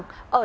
ở nhà đầu tư